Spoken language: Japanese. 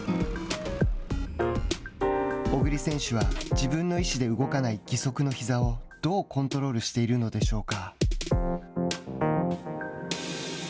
小栗選手は、自分の意志で動かない義足のひざをどうコントロールしているのでしょうか。